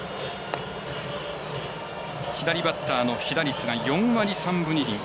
左バッターの被打率が４割３分２厘。